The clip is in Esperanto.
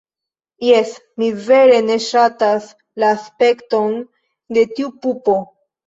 Jes... mi vere ne ŝatas la aspekton de tiu pupo.